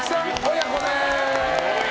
親子です。